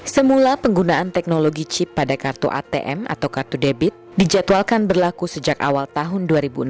semula penggunaan teknologi chip pada kartu atm atau kartu debit dijadwalkan berlaku sejak awal tahun dua ribu enam belas